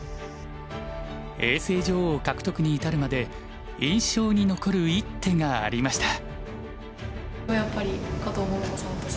永世女王獲得に至るまで印象に残る一手がありました。